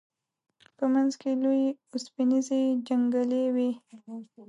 په منځ کې لوی اوسپنیزې جنګلې وې.